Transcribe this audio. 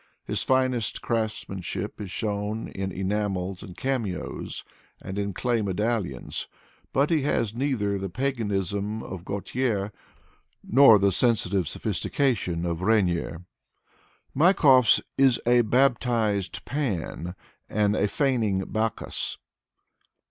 His finest craftsmanship is shown in enamels and cameos, and in clay medallions, but he has neither the paganism of Gautier nor the sensitive sophistication of R6gnier. Maikov's is a baptized Pan and a feigning Bacchus.